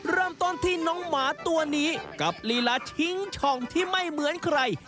เริ่มต้นที่น้องหมาตัวนี้กับลีลาชิงช่องที่ไม่เหมือนใคร